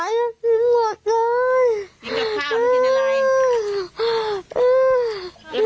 กินทุกอย่าง